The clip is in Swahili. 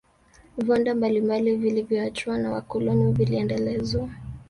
viwanda mbalimbali vilivyoachwa na wakoloni vilendelezwa